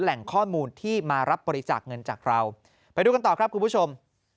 แหล่งข้อมูลที่มารับบริจาคเงินจากเราไปดูกันต่อครับคุณผู้ชม